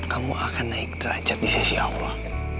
kamu akan naik derajat di sisi allah